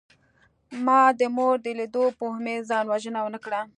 ما د مور د لیدو په امید ځان وژنه ونکړه